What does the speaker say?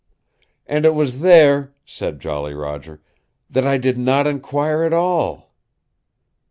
"And it was there," said Jolly Roger, "that I did not enquire at all!"